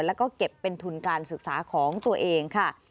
แล้วก็เก็บเป็นทุนการศึกษาของตัวเองค่ะ